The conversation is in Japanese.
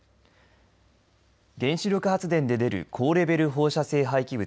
原子力発電で出る高レベル放射性廃棄物